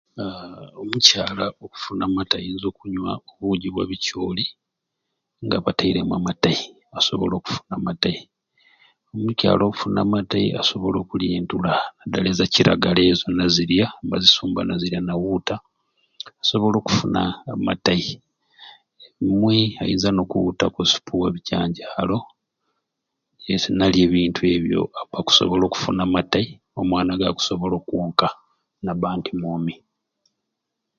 Haaaa omukyala okufuna amatei ayinza okunya obugi bwa bikyoli nga bateremu amatei asobole okufuna amatei omukyala okufuna amatei okusobola okulya entula nadala eza kilagala ezo nazirya bazisumba nazirya nawuta asobola okufuna amatei olumwei ayinza nokuwutaku osupu wa bijanjalo yes nalya ebintu ebyo aba akusobola okufuna amatei omwana gakusobola okwonka nabambe mwomi